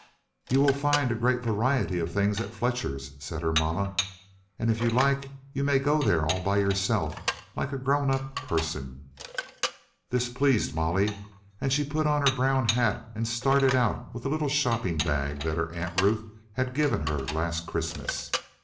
"You will find a great variety of things at Fletcher's," said her mamma; "and if you like, you may go there all by yourself like a grown up person." This pleased Molly, and she put on her brown hat and started out with a little shopping bag that her Aunt Ruth had given her last Christmas.